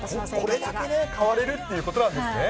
これだけ変われるということなんですね。